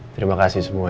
kita kan makin b sucuk